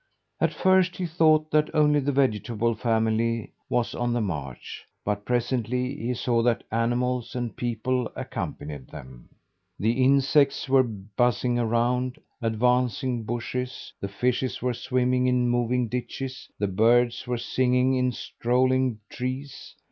At first he thought that only the vegetable family was on the march, but presently he saw that animals and people accompanied them. The insects were buzzing around advancing bushes, the fishes were swimming in moving ditches, the birds were singing in strolling trees.